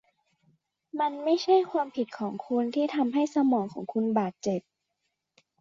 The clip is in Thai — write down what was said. มันไม่ใช่ความผิดของคุณที่ทำให้สมองของคุณบาดเจ็บ